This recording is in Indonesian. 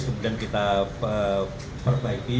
kemudian kita perbaiki